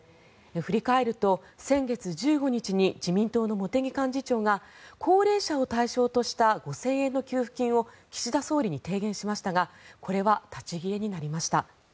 振り返ると先月１５日に自民党の茂木幹事長が高齢者を対象とした５０００円の給付金を岸田総理に提言しましたがこれは立ち消えになりました。